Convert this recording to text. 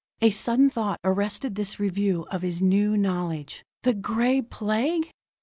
A sudden thought arrested this review of his new knowledge. The Gray Plague!